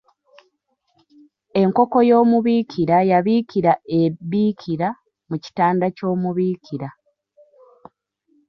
Enkoko y’omubiikira yabiikira e Biikira mu kitanda ky’omubiikira.